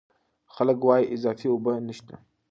خلک وايي اضافي اوبه نشته.